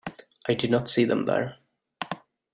I did not see them there.